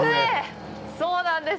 そうなんです！